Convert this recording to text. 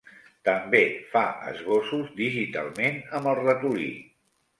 També fa esbossos digitalment amb el ratolí.